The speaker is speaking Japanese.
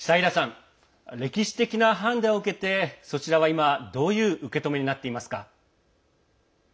歴史的な判断を受けてそちらは、今どういう受け止めになっていますか。